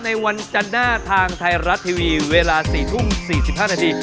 ในวันจัณฑ์หน้าทางไทยรัดทีวีเวลา๑๖๔๕นาที